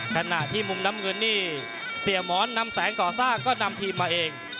ขณะที่มุมน้ำเงินนี่เสียหมอนนำแสงก่อสร้างก็นำทีมมาเอง